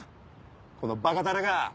このバカタレが！